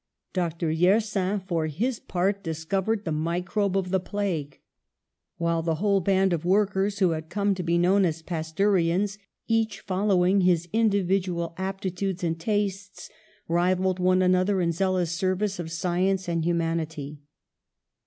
Dr. Yersin, for his part, dis covered the microbe of the plague; while the whole band of workers, who had come to be known as 'Tasteurians,'' each following his in dividual aptitudes and tastes, rivalled one an other in zealous service of science and human ity.